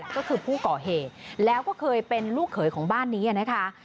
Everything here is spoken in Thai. ก็คือผู้ก่อเหตุแล้วก็เคยเป็นลูกเขยของบ้านนี้นะคะ